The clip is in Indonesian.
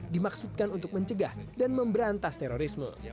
dimaksudkan untuk mencegah dan memberantas terorisme